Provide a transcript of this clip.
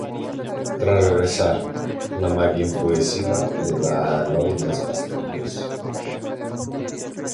Tras regresar, una Maggie enfurecida le da a Lori las pastillas.